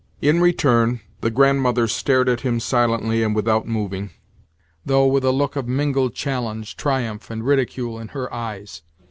In return, the Grandmother stared at him silently and without moving—though with a look of mingled challenge, triumph, and ridicule in her eyes.